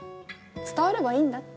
伝わればいいんだって。